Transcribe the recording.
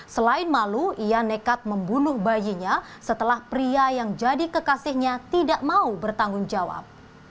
selain malu ia nekat membunuh bayinya setelah pria yang jadi kekasihnya tidak mau bertanggung jawab